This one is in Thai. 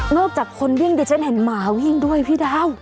อกจากคนวิ่งดิฉันเห็นหมาวิ่งด้วยพี่ดาว